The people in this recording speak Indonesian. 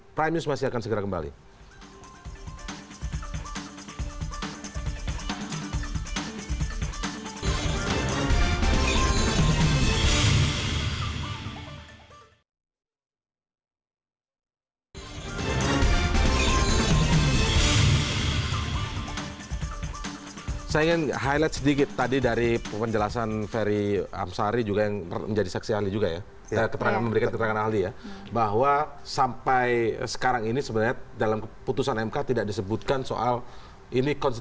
prime news masih akan segera kembali